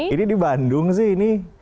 ini di bandung sih ini